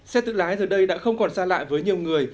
xe tự lái giờ đây đã không còn xa lại với nhiều người